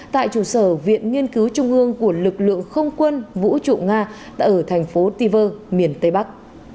tại chủ sở viện nghiên cứu trung ương của lực lượng không quân vũ trụ nga tại ở thành phố tivor miền tây bắc